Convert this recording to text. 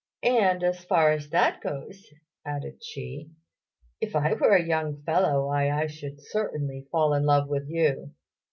And, as far as that goes," added she, "if I were a young fellow why I should certainly fall in love with you."